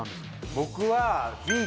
僕は。